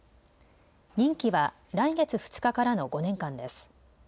任期は来月２日からの５年間です。